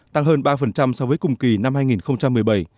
tăng hơn ba so với cùng kỳ năm hai nghìn một mươi bảy